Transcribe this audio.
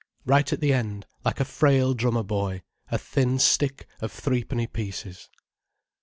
Right at the end, like a frail drummer boy, a thin stick of threepenny pieces.